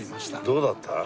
どうだった？